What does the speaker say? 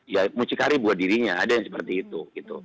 ya mucikari buat dirinya ada yang seperti itu